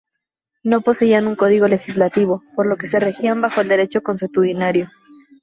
No poseían un código legislativo, por lo que se regían bajo el derecho consuetudinario.